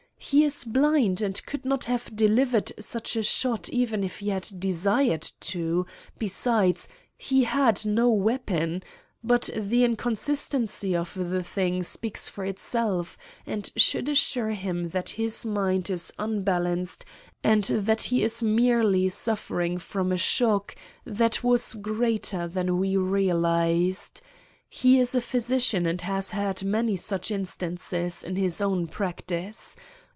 "He is blind, and could not have delivered such a shot even if he had desired to; besides, he had no weapon. But the inconsistency of the thing speaks for itself, and should assure him that his mind is unbalanced and that he is merely suffering from a shock that was greater than we realized. He is a physician and has had many such instances in his own practice.